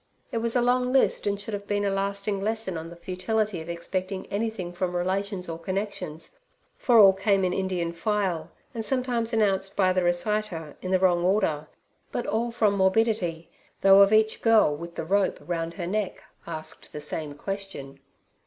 It was a long list, and should have been a lasting lesson on the futility of expecting anything from relations or connections. For all came in Indian file, and sometimes announced by the reciter in the wrong order, but all from morbidity, though of each the girl with the rope round her neck asked the same question.